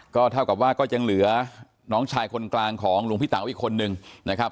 ก็เท่ากับว่าก็ยังเหลือน้องชายคนกลางของหลวงพี่เต๋าอีกคนนึงนะครับ